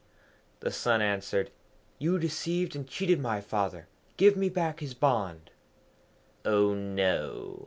The son answered, 'You deceived and cheated my father. Give me back his bond.' 'Oh no!'